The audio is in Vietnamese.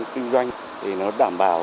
kinh doanh để nó đảm bảo